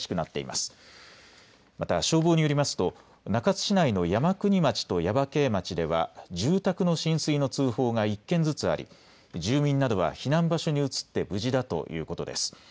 また消防によりますと中津市内の山国町と耶馬溪町では住宅の浸水の通報が１件ずつあり住民などは避難場所に移って無事だということです。